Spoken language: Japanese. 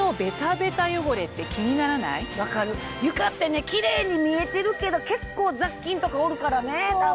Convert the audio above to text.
分かる床ってねキレイに見えてるけど結構雑菌とかおるからね多分。